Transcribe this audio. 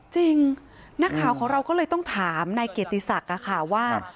จริงนักข่าวของเราก็เลยต้องถามนายเกียรติศักดิ์ค่ะว่า